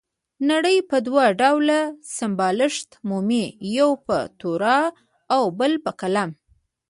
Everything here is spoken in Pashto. نړۍ په دوه ډول سمبالښت مومي، یو په توره او بل په قلم.